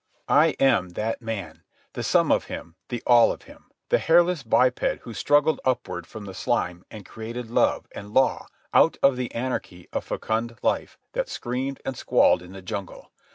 I am that man, the sum of him, the all of him, the hairless biped who struggled upward from the slime and created love and law out of the anarchy of fecund life that screamed and squalled in the jungle.